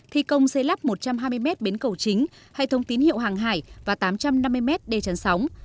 thi công xây lắp một trăm hai mươi mét bến cầu chính hệ thống tín hiệu hàng hải và tám trăm năm mươi m đê chắn sóng